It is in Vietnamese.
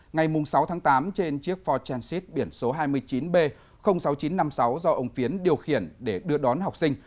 ngày sáu tháng tám trên chiếc for transit biển số hai mươi chín b sáu nghìn chín trăm năm mươi sáu do ông phiến điều khiển để đưa đón học sinh